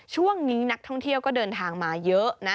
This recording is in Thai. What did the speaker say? ช่วงนี้นักท่องเที่ยวก็เดินทางมาเยอะนะ